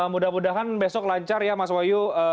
mudah mudahan besok lancar ya mas wahyu